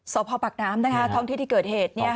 ศพปากน้ำนะคะท่องที่ที่เกิดเหตุเนี่ยค่ะ